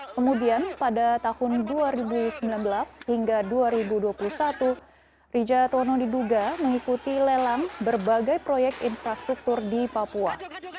kemudian pada tahun dua ribu sembilan belas hingga dua ribu dua puluh satu rija tono diduga mengikuti lelang berbagai proyek infrastruktur di papua